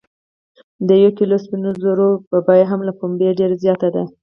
د یو کیلو سپینو زرو بیه هم له پنبې ډیره زیاته ده.